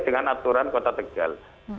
dengan aturan kota tegal